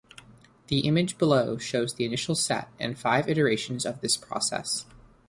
The image below shows the initial set and five iterations of this process.